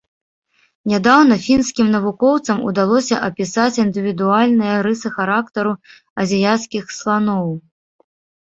Нядаўна фінскім навукоўцам удалося апісаць індывідуальныя рысы характару азіяцкіх сланоў.